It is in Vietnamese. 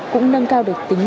cũng nâng cao được tính năng